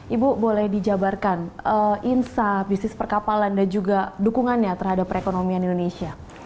ibu boleh dijabarkan insa bisnis perkapalan dan juga dukungannya terhadap perekonomian indonesia